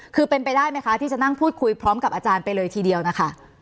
คือเป็นไปได้ไหมคะที่จะนั่งพูดคุยพร้อมกับอาจารย์ไปเลยทีเดียวนะคะ